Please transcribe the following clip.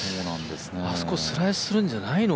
あそこスライスするんじゃないの？